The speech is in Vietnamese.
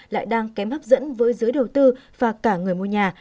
lại đang kém hấp dẫn với giới đầu tư và cả người mua nhà